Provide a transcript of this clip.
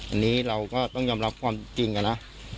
อันนี้เราก็ต้องยอมรับความจริงอะนะ